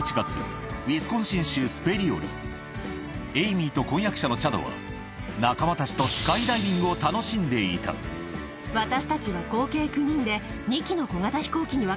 エイミーと婚約者のチャドは仲間たちとスカイダイビングを楽しんでいた私たちは。